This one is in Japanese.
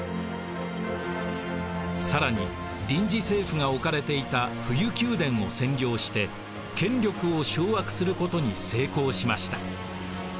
更に臨時政府が置かれていた冬宮殿を占領して権力を掌握することに成功しました。